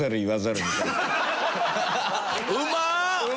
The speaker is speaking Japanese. うまっ！